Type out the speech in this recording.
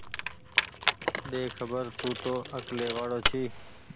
ۮيکبر تونٚ تو اڪلي وآڙو ڇي